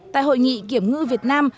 tại hội nghị kiểm ngư việt nam